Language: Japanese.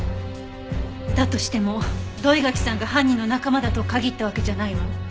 だとしても土居垣さんが犯人の仲間だと限ったわけじゃないわ。